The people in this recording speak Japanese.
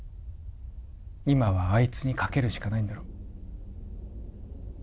今はあいつに賭けるしかないんだろう